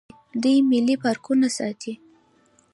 دوی ملي پارکونه ساتي.